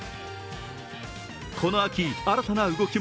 この秋、新たな動きも。